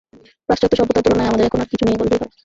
পাশ্চাত্য সভ্যতার তুলনায় আমাদের এখন আর কিছু নেই বললেই হয়।